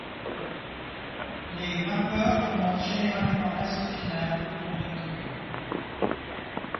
Les grimpeurs commencent généralement l'assaut final autour de minuit.